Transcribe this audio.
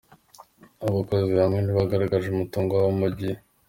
Abakozi bamwe ntibagaragaje umutungo wabo ku gihe